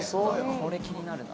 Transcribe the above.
これ気になるな